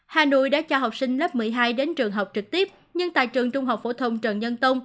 hà nội đã cho học sinh lớp một mươi hai đến trường học trực tiếp nhưng tại trường trung học phổ thông trần nhân tông